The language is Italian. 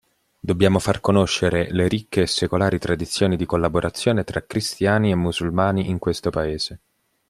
Dobbiamo far conoscere le ricche e secolari tradizioni di collaborazione tra cristiani e musulmani in questo Paese.